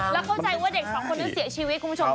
แล้วเข้าใจว่าเด็กสองคนนี้เสียชีวิตคุณผู้ชม